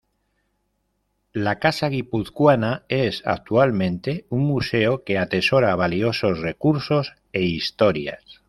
La Casa Guipuzcoana es actualmente un museo que atesora valiosos recursos e historias.